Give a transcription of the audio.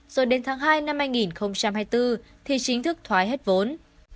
rồi đến tháng hai năm hai nghìn hai mươi bốn thì chính thức thoái hết vốn